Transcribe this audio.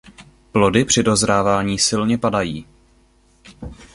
Plody při dozrávání silně padají.